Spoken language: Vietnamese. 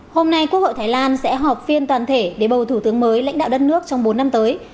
hôm nay quốc hội thái lan sẽ họp phiên toàn thể để bầu thủ tướng mới lãnh đạo đất nước trong bốn năm tới